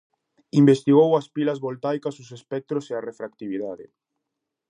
Investigou as pilas voltaicas, os espectros e a refractividade.